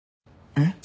えっ？